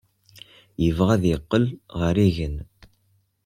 Yebɣa ad yeqqel ɣer yigen?